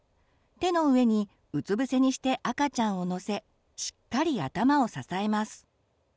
手の上にうつぶせにして赤ちゃんを乗せしっかり頭を支えます。